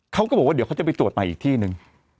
เขาก็บอกว่าเดี๋ยวเขาจะไปตรวจใหม่อีกที่นึง